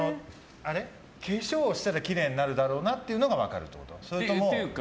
化粧をしたら、きれいになるだろうなっていうのが分かるってこと？